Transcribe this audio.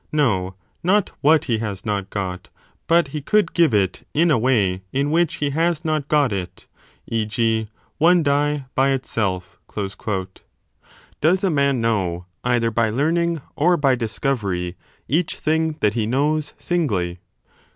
No, not what he has not got ; but he could give it in a way in which he has not got it, e. g. one die by itself. Does a man know either by learning or by discovery each thing that he knows, singly